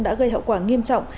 đã gây hậu quả nghiêm trọng